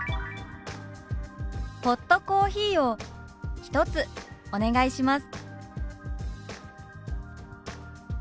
「ホットコーヒーを１つお願いします」。